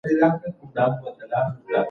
پوهان لیکي.